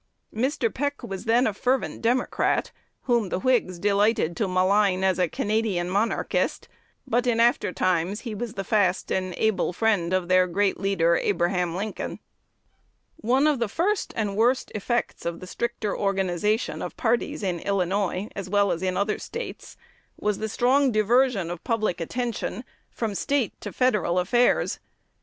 Mr. Peck was then a fervent Democrat, whom the Whigs delighted to malign as a Canadian monarchist; but in after times he was the fast and able friend of their great leader, Abraham Lincoln. One of the first and worst effects of the stricter organization of parties in Illinois, as well as in other States, was the strong diversion of public attention from State to Federal affairs.